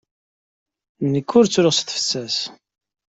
Nekk ur ttruɣ s tefses.